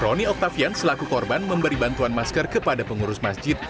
roni oktavian selaku korban memberi bantuan masker kepada pengurus masjid